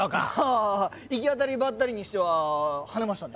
あ行き当たりばったりにしてははねましたね。